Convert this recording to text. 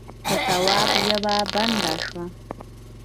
د تواب ژبه بنده شوه: